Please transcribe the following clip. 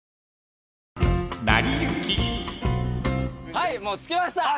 はいもう着きました。